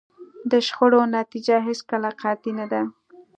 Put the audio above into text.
د شخړو نتیجه هېڅکله قطعي نه ده.